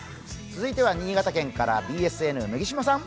続いては新潟県からＢＳＮ・麦島さん。